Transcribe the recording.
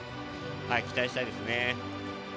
期待したいですね。